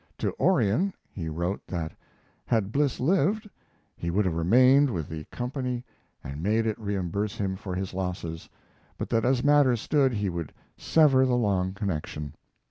To Orion he wrote that, had Bliss lived, he would have remained with the company and made it reimburse him for his losses, but that as matters stood he would sever the long connection.